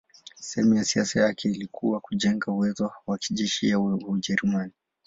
Sehemu ya siasa yake ilikuwa kujenga uwezo wa kijeshi wa Ujerumani.